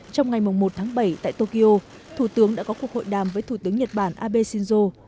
trong ngày một tháng bảy tại tokyo thủ tướng đã có cuộc hội đàm với thủ tướng nhật bản abe shinzo